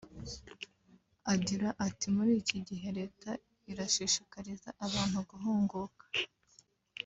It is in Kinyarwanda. Agira ati “Muri iki gihe Leta irashishikariza abantu guhunguka